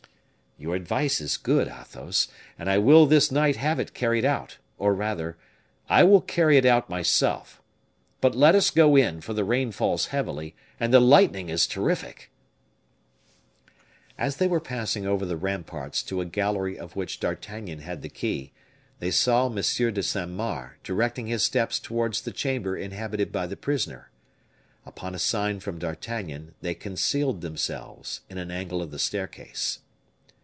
"Your advice is good, Athos, and I will this night have it carried out, or rather, I will carry it out myself; but let us go in, for the rain falls heavily, and the lightning is terrific." As they were passing over the ramparts to a gallery of which D'Artagnan had the key, they saw M. de Saint Mars directing his steps towards the chamber inhabited by the prisoner. Upon a sign from D'Artagnan, they concealed themselves in an angle of the staircase.